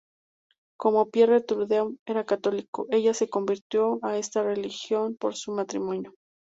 Como Pierre Trudeau era católico, ella se convirtió a esta religión por su matrimonio.